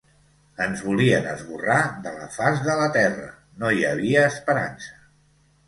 Ens volien esborrar de la faç de la terra, no hi havia esperança.